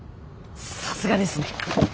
さすがですね。